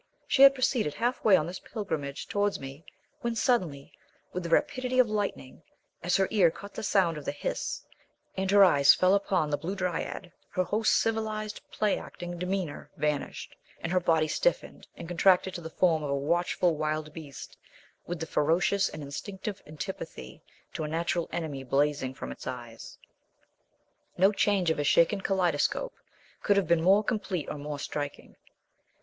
She had proceeded half way on this pilgrimage towards me when suddenly, with the rapidity of lightning, as her ear caught the sound of the hiss and her eyes fell upon the Blue Dryad, her whole civilized "play acting" demeanour vanished, and her body stiffened and contracted to the form of a watchful wild beast with the ferocious and instinctive antipathy to a natural enemy blazing from its eyes. No change of a shaken kaleidoscope could have been more complete or more striking.